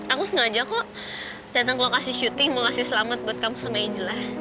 aku sengaja kok datang ke lokasi syuting mau kasih selamat buat kamu sama angela